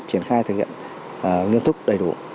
triển khai thực hiện nghiêm túc đầy đủ